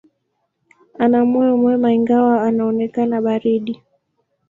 Ana moyo mwema, ingawa unaonekana baridi.